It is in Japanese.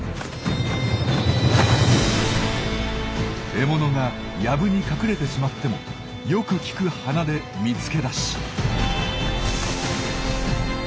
獲物がヤブに隠れてしまってもよく利く鼻で見つけ出し。